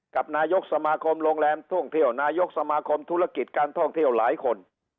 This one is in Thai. กับนายกสมาคมโรงแรมท่องเที่ยวนายกสมาคมธุรกิจการท่องเที่ยวหลายคน